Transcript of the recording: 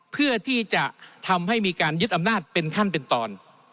เพื่อที่จะทำให้มีการยึดอำนาจเป็นขั้นเป็นตอน